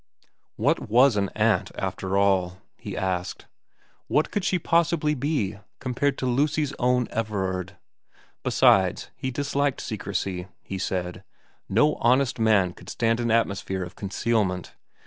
What was an aunt after all ? he asked. What could she possibly be, compared to Lucy's own Everard ? Besides, he disliked secrecy, he said. No honest man could stand an atmosphere of concealment.